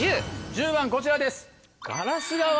１０番こちらです。